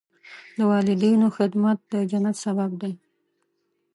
د والدینو خدمت د جنت سبب دی.